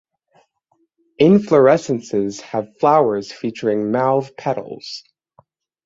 Inflorescences have flowers featuring mauve petals.